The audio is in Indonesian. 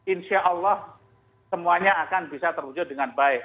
insya allah semuanya akan bisa terwujud dengan baik